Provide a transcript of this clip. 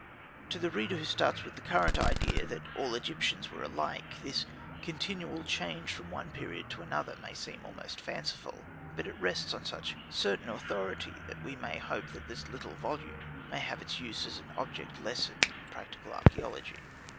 To the reader who starts with the current idea that all Egyptians were alike, this continual change from one period to another may seem almost fanciful. But it rests on such certain authority that we may hope that this little volume may have its use as an object lesson in practical archaeology.